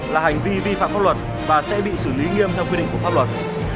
là hành vi vi phạm pháp luật và sẽ bị xử lý nghiêm theo quy định của pháp luật